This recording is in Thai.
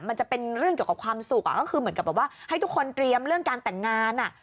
มันจะเป็นเรื่องเกี่ยวกับความสุขก็คือเหมือนกับแบบว่าให้ทุกคนเตรียมเรื่องการแต่งงาน